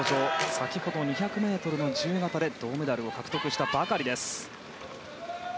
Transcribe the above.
先ほど、２００ｍの自由形で銅メダルを獲得したばかりです。